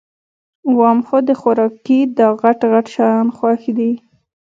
وام خو د خوارکي داغټ غټ شیان خوښ دي